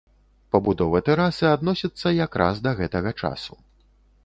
Пабудова тэрасы адносіцца якраз да гэтага часу.